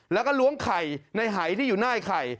แล้วก็ล้วงไข่ในหายที่อยู่หน้าไอ้ไข่